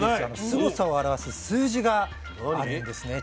すごさを表す数字があるんですね。